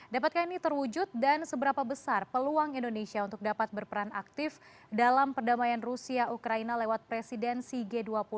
dapatkah ini terwujud dan seberapa besar peluang indonesia untuk dapat berperan aktif dalam perdamaian rusia ukraina lewat presidensi g dua puluh